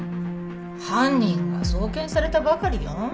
犯人が送検されたばかりよ。